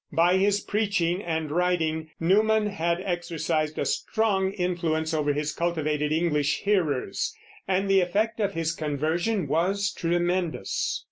By his preaching and writing Newman had exercised a strong influence over his cultivated English hearers, and the effect of his conversion was tremendous.